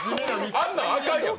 あんなんあかんやん。